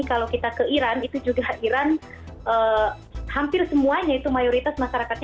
kalau kita ke iran itu juga iran hampir semuanya itu mayoritas masyarakatnya